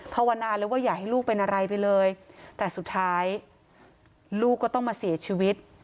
ภาวนาเลยว่าอย่าให้ลูกเป็นอะไรไปเลยแต่สุดท้ายลูกก็ต้องมาเสียชีวิต